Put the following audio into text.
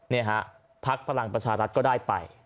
นี่ฮะพักพลังประชารัฐก็ได้ไป